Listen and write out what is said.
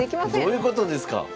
どういうことですか！